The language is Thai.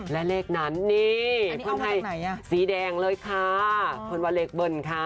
และเลขนั้นนี่สีแดงเลยค่ะเพิ่มว่าเลขเบิ่นค่ะ